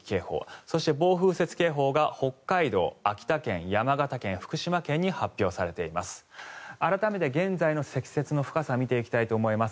そして暴風雪警報が北海道秋田県、山形県、福島県に発表されています。